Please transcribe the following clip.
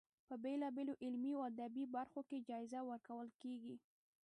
په بېلا بېلو علمي او ادبي برخو کې جایزه ورکول کیږي.